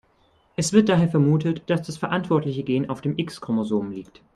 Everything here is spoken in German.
Es wird daher vermutet, dass das verantwortliche Gen auf dem X-Chromosom liegt.